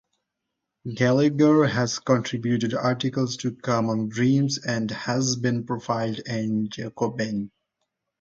Gallagher has contributed articles to Common Dreams and has been profiled in "Jacobin".